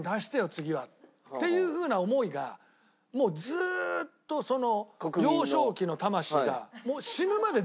次は。っていうふうな思いがもうずーっとその。